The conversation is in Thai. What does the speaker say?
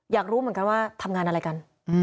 อยากรู้เหมือนกันว่าทำงานอะไรกัน